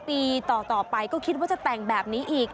ปีต่อไปก็คิดว่าจะแต่งแบบนี้อีก